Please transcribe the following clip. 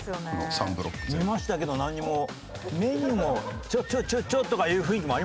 見ましたけどなんにも目にも「ちょちょちょ！」とか言う雰囲気もありませんもんね。